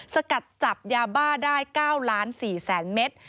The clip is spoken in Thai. สกัดจับยาบ้าได้๙๔๐๐๐เมตร